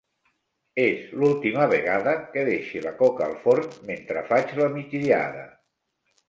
És l’última vegada que deixe la coca al forn mentre faig la migdiada.